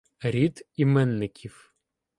Рід іменників